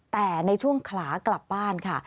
แต่ในช่วงขากลับบ้านค่ะ